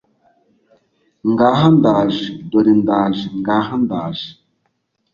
ngaha ndaje (dore ndaje), ngaha ndaje